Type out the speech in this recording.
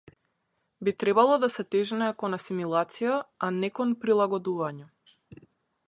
Би требало да се тежнее кон асимилација, а не кон прилагодување.